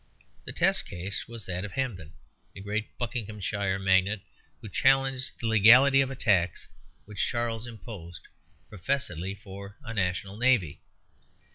The test case was that of Hampden, the great Buckinghamshire magnate, who challenged the legality of a tax which Charles imposed, professedly for a national navy.